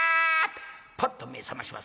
パッと目ぇ覚まします。